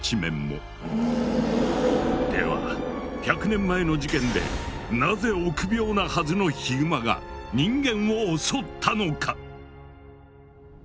１００年前の事件でなぜ臆病なはずのヒグマが人間を襲ったのか？